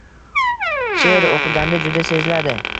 Sheʼr oʻqiganda juda seziladi.